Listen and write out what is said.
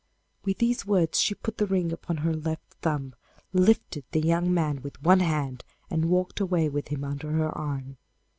With these words she put the ring upon her left thumb, lifted the young man with one hand, and walked away with him under her arm.